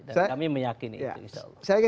dan kami meyakini itu insya allah